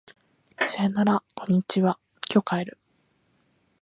さよならこんにちは今日帰る